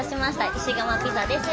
石窯ピザです。